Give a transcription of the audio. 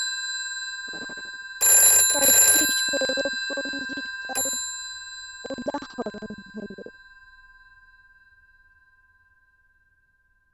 কয়েকটি সৌর পঞ্জিকার উদাহরণ হলোঃ